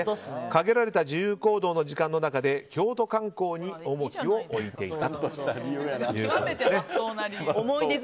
限られた自由行動の時間の中で京都観光に重きを置いていたということです。